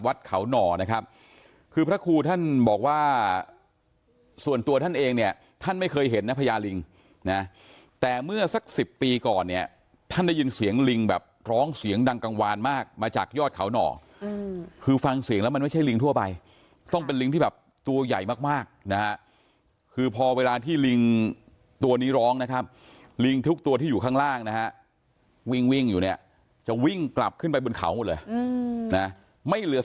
วัดเขาหน่อนะครับคือพระครูท่านบอกว่าส่วนตัวท่านเองเนี่ยท่านไม่เคยเห็นนะพญาลิงนะแต่เมื่อสัก๑๐ปีก่อนเนี่ยท่านได้ยินเสียงลิงแบบร้องเสียงดังกลางวานมากมาจากยอดเขาหน่อคือฟังเสียงแล้วมันไม่ใช่ลิงทั่วไปต้องเป็นลิงที่แบบตัวใหญ่มากนะคือพอเวลาที่ลิงตัวนี้ร้องนะครับลิงทุกตัวที่อยู่ข้างล่